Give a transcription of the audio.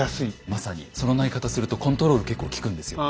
まさにその投げ方するとコントロール結構利くんですよ。